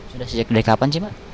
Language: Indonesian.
sudah sejak dari kapan sih pak